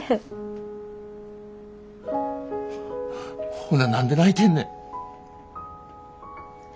ほな何で泣いてんねん。